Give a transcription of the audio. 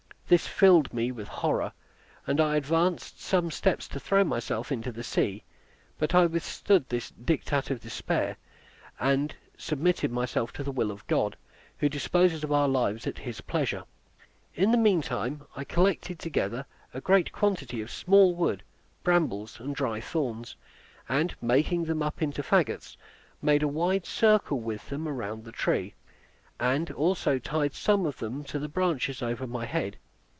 This filled me with horror, and I advanced some steps to throw myself into the sea; but I withstood this dictate of despair, and submitted myself to the will of God, who disposes of our lives at His pleasure. In the meantime I collected together a great quantity of small wood, brambles, and dry thorns, and making them up into fagots, made a wide circle with them round the tree, and also tied some of them to the branches over my head.